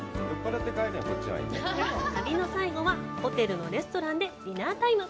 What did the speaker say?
旅の最後はホテルのレストランでディナータイム